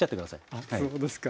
あっそうですか。